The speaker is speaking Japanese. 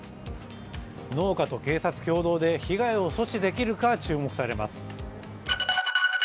農家と警察共同で被害を阻止できるか注目されます。